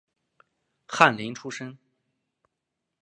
翰林出身。